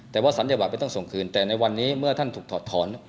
แต่ว่าศัลยบัตรไม่ต้องส่งคืนแต่ในวันนี้เมื่อท่านถูกถอดถอน